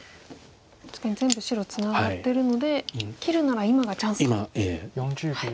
確かに全部白ツナがってるので切るなら今がチャンスと。